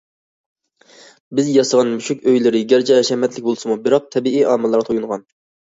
بىز ياسىغان مۈشۈك ئۆيلىرى گەرچە ھەشەمەتلىك بولسىمۇ، بىراق تەبىئىي ئامىللارغا تويۇنغان.